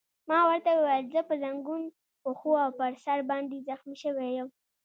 ما ورته وویل: زه په زنګون، پښو او پر سر باندې زخمي شوی یم.